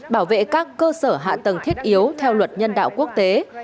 bảo vệ các cơ sở hạ tầng thiết yếu theo luật nhân đạo quốc tế